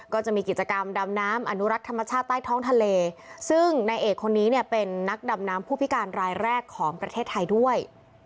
ก็จะมีกิจกรรมดำน้ำอนุรักษ์ธรรมชาติใต้ท้องทะเลซึ่งนายเอกคนนี้เนี่ยเป็นนักดำน้ำผู้พิการรายแรกของประเทศไทยด้วย